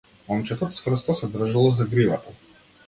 Момчето цврсто се држело за гривата.